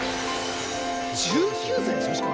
１９歳でしょ、しかも。